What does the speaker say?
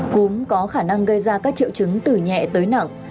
cúm có khả năng gây ra các triệu chứng từ nhẹ tới nặng